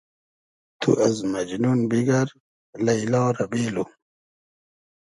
تو از مئجنون بیگئر لݷلا رۂ بېلو